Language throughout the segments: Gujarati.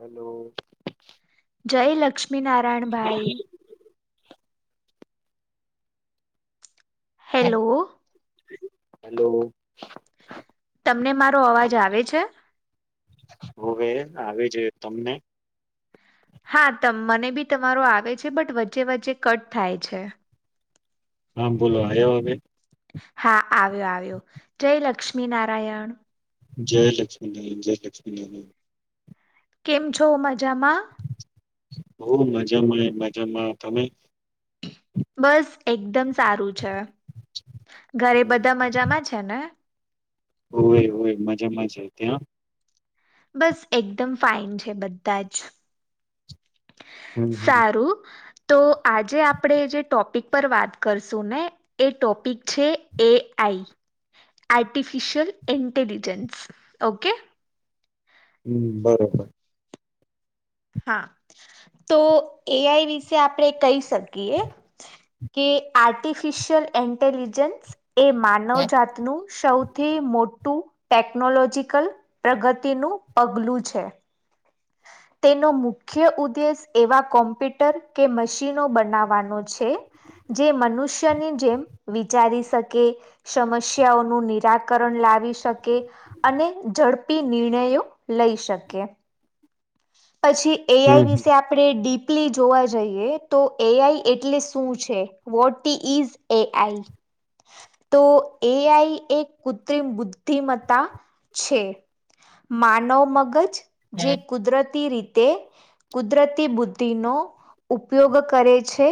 હેલો જય લક્ષ્મી નારાયણભાઈ હેલો હલોો તમને મારો અવાજ આવે છે હવે આવી જોું તમને હા મને બી તમારો આવે છે બટ વચ્ચે વચ્ચે કટ થાય છે હામ બોલો આવ્યો હવે હા આવ્યો આવ્યો જય લક્ષ્મી નારાયણ જય લક્ષ્મી ના જય લક્ષ્મી ના કેમ છો મજામાં બ મજામાં મજામાં તમે બસ એકદમ સારું છે ઘરે બધા મજામાં છે ને હોય હોય મજામાંજ ત્યાં બસ એકદમ ફાઇન છે બધા જ હમ હમ સારું તો આજે આપણે જે ટોપિક પર વાત કરશું ને એ ટોપિક છે એ આઈ આર્ટિફિશિયલ ઇન્ટેલિજન્સ ઓકે હમ બરોબર હા તો એઆઈ વિશે આપણે કહી શકીએ કે આર્ટિફિશિયલ ઇન્ટેલિજન્સ એ માનવ જાતનુંું સૌથી મોટું મોટું ટેકનોલોજીકલ પ્રગતિનું પગલું છે તેનો મુખ્ય ઉદ્દેશ એવા કોમ્પ્યુટર કે મશીનો બનાવવાનો છે જે મનુષ્યની જેમ વિચારી શકે સમસ્યાઓનું નિરાકરણ લાવી શકે અને ઝડપી નિર્ણયો લઈ શકે પછી એઆઈ હમ વિશે આપણે ડી જોવા જઈએ તો એઆઈ એટલે શું છે વોટ ઇઝ એઆઈ તો એઆઈ એક કૃત્રિમ બુદ્ધિમત્તા છે માનવ મગજ જે હમ કુદરતી રીતે કુદરતી બુદ્ધિનોો ઉપયોગ કરે છે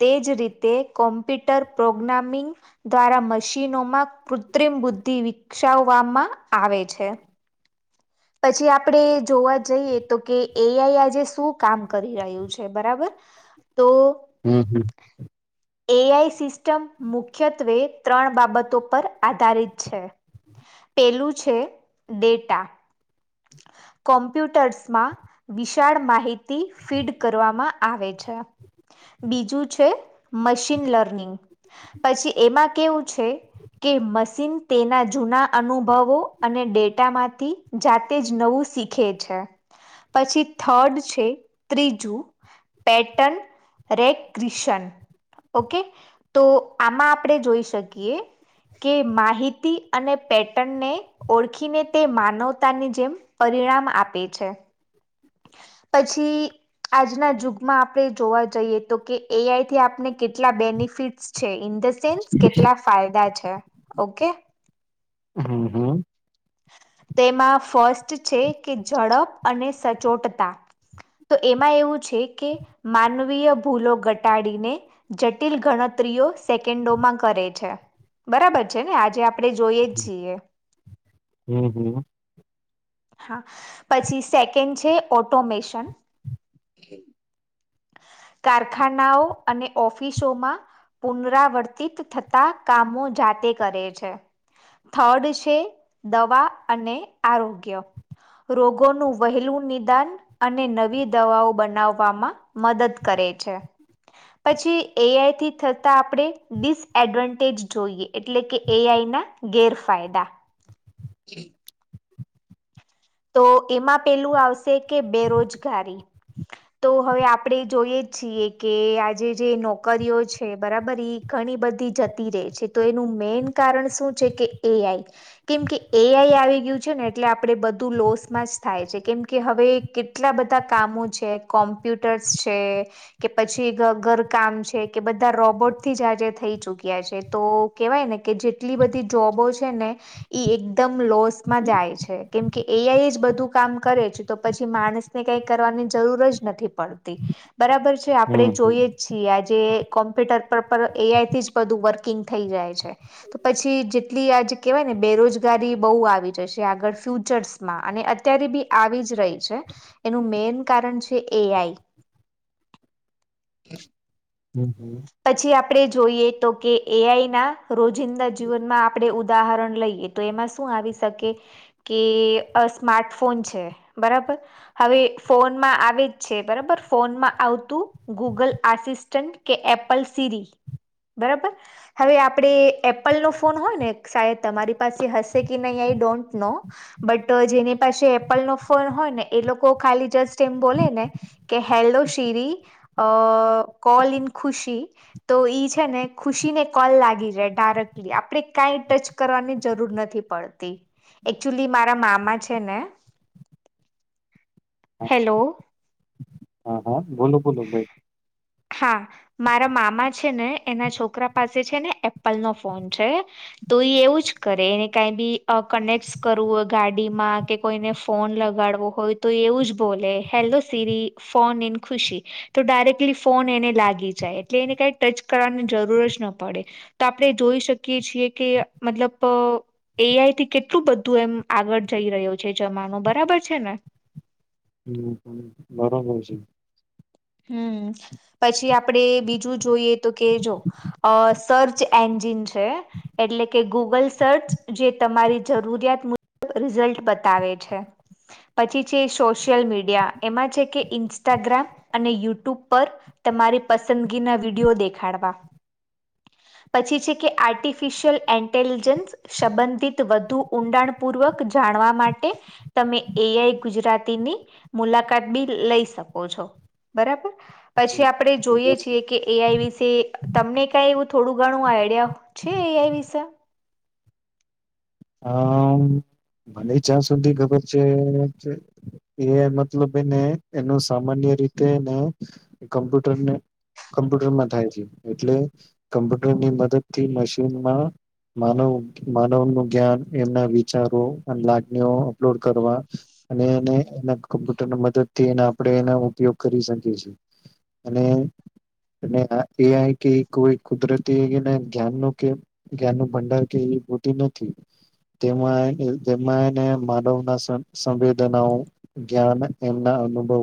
તેજ રીતે કોમ્પ્યુટર પ્રોગ્રામિંગ દ્વારા મશીનોમાં કૃત્રિમ બુદ્ધિ વિકસાવવામાં આવે છે પછી આપણે જોવા જઈએ તો કે એઆઈ આજે શું કામ કરી રહ્યું છે બરાબર તો હમ હમ એઆઈ સિસ્ટમ મુખ્યત્વે ત્રણ બાબતો પર આધારિત છે પેલું છે ડેટા કોમ્પ્યુટર્સમાં વિશાળ માહિતી ફીડ કરવામાં આવે છે બીજું છે મશીન લર્નિંગ પછી એમાં કેવું છે કે મશીન તેના જૂના અનુભવો અને ડેટામાંથી જાતે વું શીખે છે પછી થર્ડ છે ત્રીજું પેટન રે ક્રિશન ઓકે તો આમાં આપણે જોઈ શકીએ કે માહિતી અને પેટનને ઓળખીને તે માનવતાની જેમ પરિણામ આપે છે પછી આજના જુગમાં આપણે જોવા જઈએ તો કે એઆઈથી આપણે કેટલા બેનિફિટ્સ છે ઇન્ડ સેન્સ કેટલા ફાયદા છે ઓકે હમ હમ તેમાં ફર્સ્ટ છે કે ઝડપ અને સ ચોટતા તો એમાં એવું છે કે માનવીય ભૂલો ઘટાડીને જટિલ ગણતરીઓ સેકન્ડોમાં કરે છે બરાબર છે ને આજે આપણે જોઈએ છીએ હમ હમ હા પછી સેકન્ડ છે ઓટોમેશન કારખાનાઓ અને ઓફિસોમાં પુનરાવર્તિત થતા કામો જાતે કરે છે થર્ડ છે દવા અને આરોગ્ય રોગોનું વહેલું નિદાન અને નવી દવાઓ બનાવવામાં મદદ કરે છે પછી એઆઈથી થતા આપણે ડિસએડવાન્ટેજ જોઈએ એટલે કે એઆઈ ના ગેરફાયદા [inaudible] તો એમાં પેલું આવશે કે બેરોજગારી તો હવે આપણે જોઈએ છીએ કે આજે જે નોકરીઓ છે બરાબર એ ઘણી બધી જતી રહે છે તો એનું મેન કારણ શું છે કે એઆઈ કેમ કે એઆઈ આવી ગયું છે ને એટલે આપણે બ ધુ લોસમાં જ થાય છે કેમ કે હવે કેટલા બધા કામો છે કોમ્પ્યુટર્સ છે કે પછી ઘરકામ છે કે બધા રોબોટથી જ આજે થઈ ચુક્યા છે તો કેહેવાય ને કે જેટલી બધી જોબો છે ને ઈ એકદમ લોસમાં જાય છે કેમ કે એઆઈ જ બધું કામ કરે છે તો પછી માણસને કઈ કરવાની જરૂર જ નથી પડતી બરાબર છે. આપણે હમ જોઈએ છીએ આજે જે કોમ્પ્યુટર પર પણ એઆઈથી જ બધું વર્કિંગ થઈ જાય છે તો પછી જેટલી આજ કહેવાય ને બેરોજગારી બહુ આવી જાય છે આગળ ફ્યુ ર્ચસમાં અને અત્યારે બી આવી જ રહી છે એનું મેન કારણ છે એઆઈ હમ હમ પછી આપણે જોઈએ તો કે એઆઈ ના રોજિંદા જીવનમાં આપણે ઉદાહરણ લઈએ તો એમાં શું આવી શકે કે સ્માર્ટફોન છે બરાબર હવે ફોનમાં આવે જ છે બરાબર ફોનમાં આવતું ગૂગલ આસિસ્ટન્ટ કે એપ એપલ સીરી બરાબર હવે આપણે એપલનો ફોન હોય ને સાહે તમારી પાસે હશે કે નહીં આઈ ડોન્ટ નો બટ જેની પાસે એપલનો ફોન હોય ને એ લોકો ખાલી જસ્ટ એમ બોલે ને કે hello Siri call in Khushi તો ઈ છે ને ખુશી ને કોલ લાગી જાય ડાયરેક્ટલી આપણે કાઈ ટચ કરવાની જરૂર નથી પડતી એકચુલી મારા મામા છે ને હેલો હા હા બોલો બોલો બેન હા મારા મામા છે ને એના છોકરા પાસે છે ને એપલનો ફોન છે તો એ એવું જ કરે એને કાંઈ બી કનેક્ટ કરવું હોય ગાડીમાં કે કોઈને ફોન લગાડવો હોય તો એવું જ બોલે hello Siri phone in Khushi તો ડાયરેક્ટલી ફોન એને લાગી જાય એટલે એને કંઈ ટચ કરવાની જરૂર જ ન પડે તો આપણે જોઈ શકીએ છીએ કે મતલબ એઆઈથી કેટલું બધું એમ આગળ જઈ રહ્યો છે જમાનો બરાબર છે ને હમ હમ, [inaudible] હમ પછી આપડે બીજું જોઈએ તો કે જો અ સર્ચ એન્જિન છે એટલે કે ગૂગલ સર્ચ જે તમારી જરૂરિયાત મુજબ રિઝલ્ટ બતાવે છે પછી છે સોશિયલ મીડિયા એમાં છે કે ઇન્સ્ટાગ્રામ અને યુટ્યુબ પર તમારી પસંદગીના વિડીયો દેખાડવા પછી છે કે આર્ટિફિશિયલ ઇન્ટેલિજન્સ સંબંધિત વધુ ઊંડાણ પૂર્વક જાણવા માટે તમે એઆઈ ગુજરાતીની મુલાકાત બી લઈ શકો છો. બરાબર પછી આપણે જોઈએ છીએ કે એઆઈ વિશે તમને કઈ એવું થોડું ઘણું આઈડિયા છે એઆઈ વિશે અમ મને જ્યાં સુધી ખબર છે એ મતલબ એને એનો સામાન્ય રીતેને કમ્પ્યુટરને કમ્પ્યુટરમાં થાય છે એટલે કમ્પ્યુટરની મદદથી મશીનમાં માનવ માનવનું જ્ઞાન એમના વિચારો લાગણીઓ અપલોડ કરવા અને એને એના કમ્પ્યુટરની મદદથી એને આપણે એનો ઉપયોગ કરી શકીએ અને એ આઈ કે કોઈ કુદરતી એ જ્ઞાનનું કે જ્ઞાનનુ ભંડાર કે એ બધ નથી તેમાં જેમાં એને માનવના સંવેદનાઓ જ્ઞાન એમના અનુભવો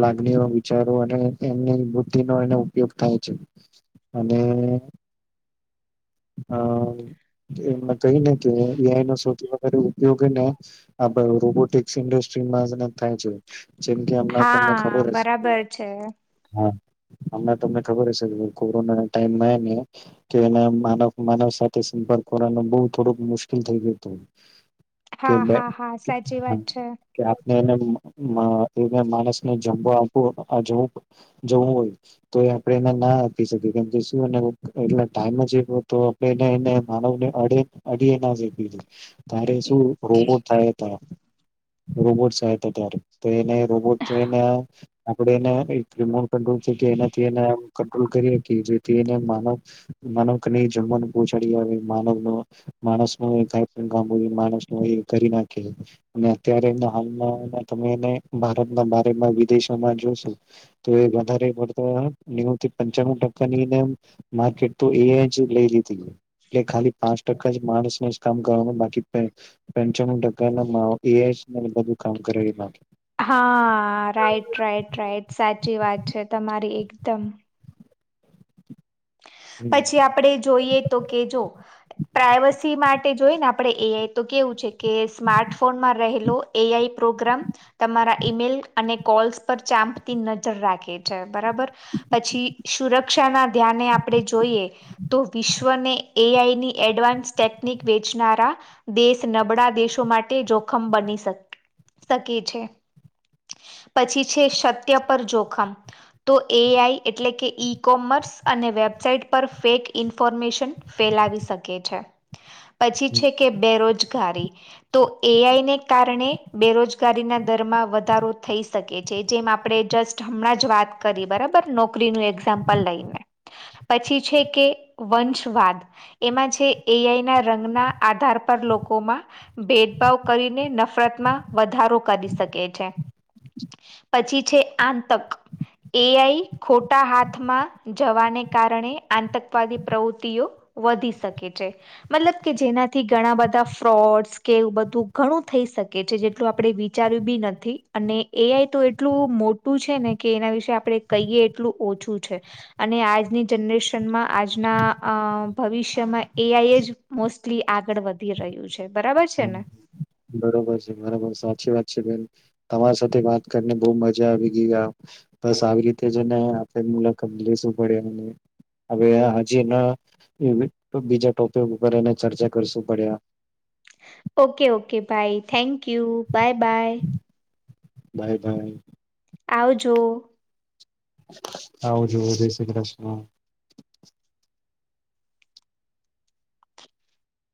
લાગણીઓ વિચારો અને એમની બુદ્ધિનો એનો ઉપયોગ થાય છે અને અ એમને કહી ને કે એઆઈ નો સૌથી વધારે ઉપયોગને આ રોબોટિકસ ઇન્ડસ્ટ્રીમાં થાય છે. જેમ કે હમના તમને હા ખબર હશે બરાબર છે હા હમને તમને ખબર હશે કોરોના ટાઈમાં હેને કે માનવ સાથે સંપર્ક કરવાનું બહ થોડુંક મુશ્કેલ થઈ ગયું હતું. કે હા હા હા સાચી વાત છે. ને એને માણસને જમવા આપવો જવું હોય તો એ આપે એને ના આપી શકીએ કેમ કે શું એટલે ટાઈમ જ તો આપે એને એને માનવને અડી અડીએ ના શકીએ કીધું તારે શું રોબોટ થાય ત રોબોટ આવે ત્યારે તો એને રોબોટને આપણેે એને રીમોટ છે કે એનાથી એને કંટ્રોલ કરી શકી જેથી એને માનવ માનવ જહચાડી આવે માનવનો માણસનો કાઈપણ કામ માણસનો એ કરી નાખે ને અત્યારે હાલમાં તમે ભારતના વિદેશોમાં જોશો તો એ વધારે પડતો નેવું થી પંચું ટકાની માર્કેટ તો એ જુ લય લીધું એટલે ખાલી પાંચ ટ માણસ કામ કરવાનું બાકી પચ ટકા કામ કરે બા હા રાઈટ રાઈટ રાઈટ સાચી વાત છે તમારી એકદમ. હમ પછી આપડે જોઈએ તો કે જો પ્રાઈવસી માટે જોઈને આપડે એઆઈ તો કેવું છે કે સ્માર્ટફોનમાં રહેલો એઆઈ પ્રોગ્રામ તમારા ઈમેઈલ અને કોલ્સ પર ચાંપતી નજર રાખે છે, બરાબર? પછી સુરક્ષાના ધ્યાને આપણે જોઈએ તો વિશ્વને એઆઈની એડવાન્સ ટેકનિક વેચનારા દેશ નબળા દેશો માટે જોખમ બની શ શકે છે. પછી છે સત્ય પર જોખમ. તો એઆઈ એટલે કે ઈ કોમર્સ અને વેબસાઇટ પર ફેક ઇન્ફોર્મેશન ફેલાવી શકે છે. પછી છે કે બેરોજગારી. તો એઆઈને કારણે બેરોજગારીના દરમાં વધારો થઈ શકે છે. જેમ આપણે જસ્ટ હમણાં જ વાત કરી બરાબર? નોકરીનું એક્ઝામ્પલ લઈને. પછી છે કે વંશવાદ. એમાં છે એઆઈ ના રંગના આધાર પર લોકોમાં ભેદભાવ કરીને નફરતમાં વધારો કરી શકે છે. પછી છે આંતક, એઆઈ ખોટા હાથમાં જવાને કારણે આતંકવાદી પ્રવૃતિઓ વધી શકે છે. મતલબ કે જેનાથી ઘણા બધા ફ્રોડસ કે એવું બધું ઘણું થઈ શકે છે. જેટલું આપણે વિચાર્યું બી નથી. અને એઆઈ તો એટલું મોટું છે ને કે એના વિશે આપણે કહીએ એટલું ઓછું છે. અને આજની જનરેશનમાં આજના અ ભવિષ્યમાં એઆઈ જ મોસ્ટલી આગળ વધી રહ્યું છે. બરાબર છે હમ ને? બરોબર છે બરોબર સાચી વાત છે. બેન તમારી સાથે વાત કરીને બહ મજા આવી. ગ બસ આવી રીતે જને આપ મુલાકાત લું પડ હ હજી બીજા ટોપિક ઉપર એ ચર્ચા કરશું પડ ઓકે ઓકે ભાઈ thank you bye bye. Bye bye. આવજો. આવજો જય શ્રી કૃષ્ણ.